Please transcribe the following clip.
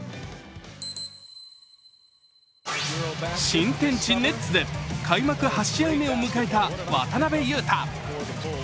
新天地ネッツで開幕８試合目を迎えた渡邊雄太。